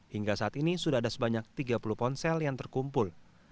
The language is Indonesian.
hingga saat ini sudah ada sebanyak tiga puluh ponsel yang terkumpul